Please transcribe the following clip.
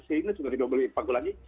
seri ini sudah tidak boleh dipakai lagi